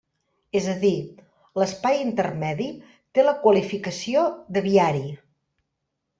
És a dir, l'espai intermedi té la qualificació de viari.